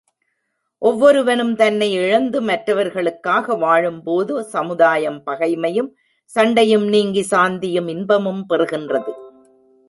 ஒவ்வொருவனும் தன்னை இழந்து மற்றவர்களுக்காக வாழும்போது, சமுதாயம் பகைமையும், சண்டையும் நீங்கி, சாந்தியும் இன்பமும் பெறுகின்றது.